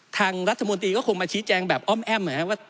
ทางรัฐมนตรีก็คงมาชี้แจงแบบอ้อมแอ้ม